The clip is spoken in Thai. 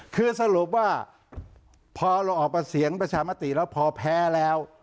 คือสรุปว่าพอเราออกมาเสียงประชามติแล้วพอแพ้แล้ว